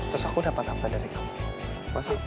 terus aku dapat apa dari kamu